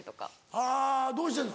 あぁどうしてんの？